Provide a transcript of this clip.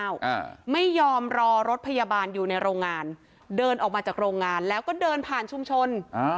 อ่าไม่ยอมรอรถพยาบาลอยู่ในโรงงานเดินออกมาจากโรงงานแล้วก็เดินผ่านชุมชนอ่า